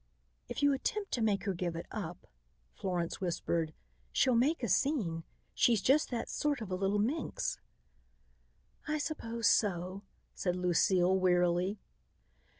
"If you attempt to make her give it up," Florence whispered, "she'll make a scene. She's just that sort of a little minx." "I suppose so," said Lucile wearily.